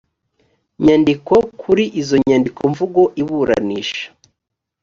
nyandiko kuri izo nyandikomvugo iburanisha